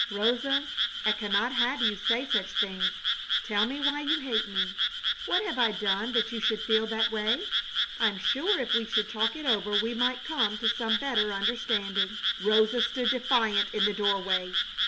"Rosa, I cannot have you say such things. Tell me why you hate me? What have I done that you should feel that way? I'm sure if we should talk it over we might come to some better understanding." Rosa stood defiant in the doorway.